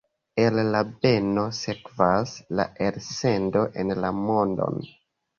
El la beno sekvas la elsendo en la mondon.